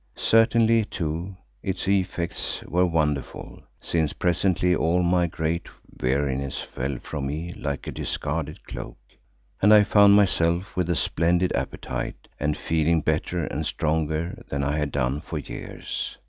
Certainly, too, its effects were wonderful, since presently all my great weariness fell from me like a discarded cloak, and I found myself with a splendid appetite and feeling better and stronger than I had done for years.